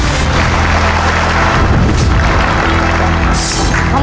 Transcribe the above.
ทำไมเลือกเลือกพุ่มพวงดวงจันทร์